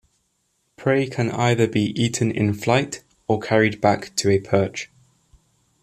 Prey can either be eaten in flight or carried back to a perch.